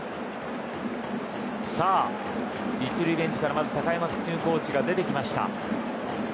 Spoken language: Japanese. さあ、１塁ベンチから、まず高山ピッチングコーチが出てきました。